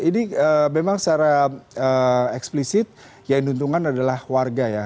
ini memang secara eksplisit yang diuntungkan adalah warga ya